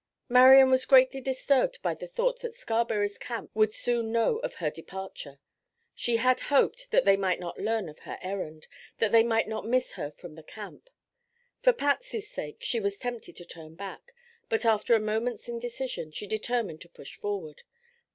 Marian was greatly disturbed by the thought that Scarberry's camp would soon know of her departure. She had hoped that they might not learn of her errand, that they might not miss her from the camp. For Patsy's sake she was tempted to turn back, but after a moment's indecision, she determined to push forward.